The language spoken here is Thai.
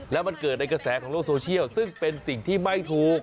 แล้วมันเกิดในกระแสของโลกโซเชียลซึ่งเป็นสิ่งที่ไม่ถูก